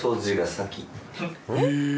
えっ。